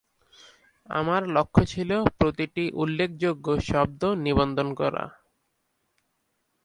আমার লক্ষ্য ছিল প্রতিটি উল্লেখযোগ্য শব্দ নিবন্ধন করা।